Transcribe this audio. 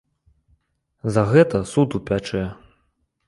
За гэта суд упячэ.